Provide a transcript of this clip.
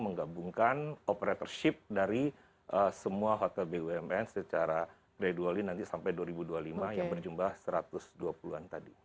menggabungkan operatorship dari semua hotel bumn secara gradually nanti sampai dua ribu dua puluh lima yang berjumlah satu ratus dua puluh an tadi